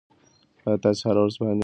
ایا تاسي هره ورځ په عین وخت کې ډوډۍ خورئ؟